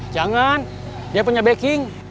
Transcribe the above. jangan dia punya backing